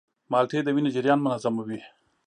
مالټې د وینې جریان منظموي.